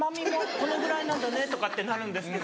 このぐらいなんだね」とかってなるんですけど。